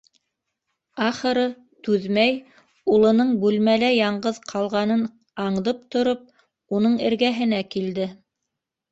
Ахыры, түҙмәй, улының бүлмәлә яңғыҙ ҡалғанын аңдып тороп, уның эргәһенә килде.